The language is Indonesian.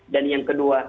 dan yang kedua